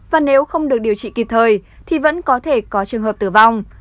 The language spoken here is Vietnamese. và nếu không được điều trị kịp thời thì vẫn có thể có trường hợp tử vong